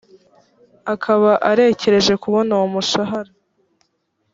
akaba arekereje kubona uwo mushahara.